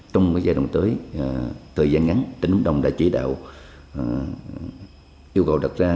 trong giai đoạn tới thời gian ngắn tỉnh lâm đồng đã chỉ đạo yêu cầu đặt ra